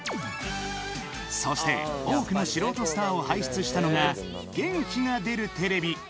そして、多くの素人スターを輩出したのが「元気が出るテレビ！！」。